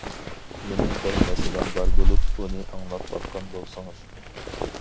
مېنىڭ بىر مەسىلەم بار بولۇپ، ئۇنى ئاڭلاپ باققان بولسىڭىز.